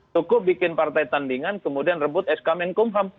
cukup bikin partai tandingan kemudian rebut sk menkumham